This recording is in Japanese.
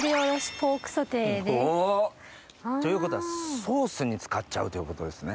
お！ということはソースに使っちゃうということですね？